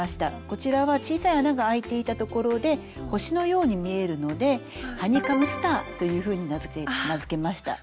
こちらは小さい穴があいていた所で星のように見えるので「ハニカムスター」というふうに名付けました。